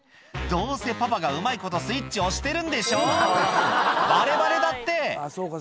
どうせパパがうまいことスイッチ押してるんでしょバレバレだって！